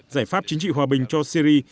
giải pháp chính trị hòa bình cho syri